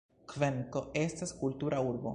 Kvenko estas kultura urbo.